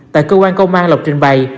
tại cơ quan công an lộc trình bày